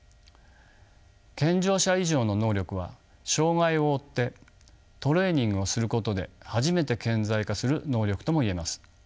健常者以上の能力は障がいを負ってトレーニングをすることで初めて顕在化する能力とも言えます。